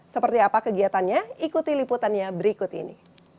seperti apa kegiatannya ikuti liputannya berikut ini